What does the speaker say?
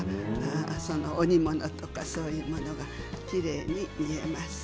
お煮物とかそういったものがきれいに見えますね。